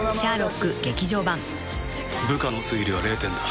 「部下の推理は０点だ」